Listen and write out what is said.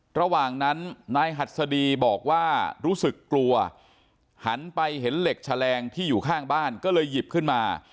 ระหว่างนั้นนายหัสดีบอกว่ารู้สึกกลัวหันไปเห็นเหล็กแฉลงที่อยู่ข้างบ้านก็เลยหยิบขึ้นมา